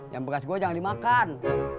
yang bekas gue jangan dimakan